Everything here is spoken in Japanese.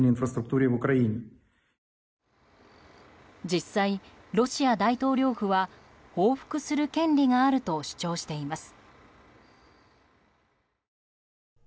実際、ロシア大統領府は報復する権利があると主張しています。